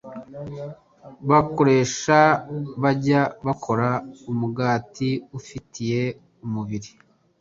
bakoresha, bajya bakora umugati ufitiye umubiri